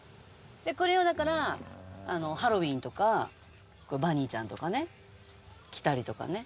これをだからハロウィーンとかバニーちゃんとかね着たりとかね。